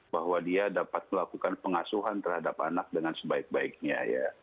bahwa dia dapat melakukan pengasuhan terhadap anak dengan sebaik baiknya ya